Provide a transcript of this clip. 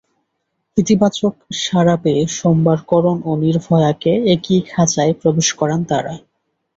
ইতিবাচক সাড়া পেয়ে সোমবার করণ ও নির্ভয়াকে একই খাঁচায় প্রবেশ করান তাঁরা।